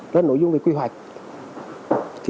đó là nội dung về quy hoạch